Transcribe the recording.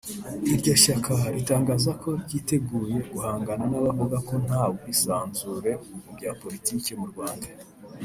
Iryo shyaka ritangaza ko ryiteguye guhangana n’abavuga ko nta bwisanzure mu bya politiki mu Rwanda